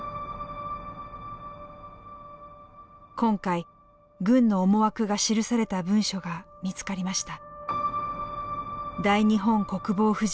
今回軍の思惑が記された文書が見つかりました。